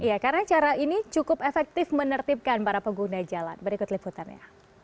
iya karena cara ini cukup efektif menertibkan para pengguna jalan berikut liputannya